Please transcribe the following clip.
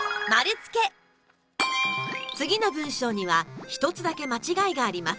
次の文章には１つだけ間違いがあります。